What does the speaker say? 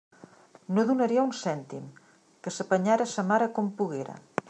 No donaria un cèntim; que s'apanyara sa mare com poguera.